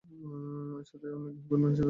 এর সাথেই উনি গৃহকর্মী হিসেবে কাজ শুরু করেন।